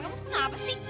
kamu tuh kenapa sih